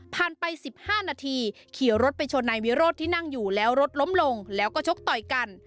ไป๑๕นาทีขี่รถไปชนนายวิโรธที่นั่งอยู่แล้วรถล้มลงแล้วก็ชกต่อยกัน